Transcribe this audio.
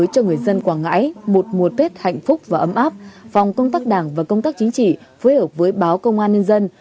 cho người dân quảng ngãi một mùa tết hạnh phúc và ấm áp phòng công tác đảng và công tác chính trị phối hợp với báo công an nhân dân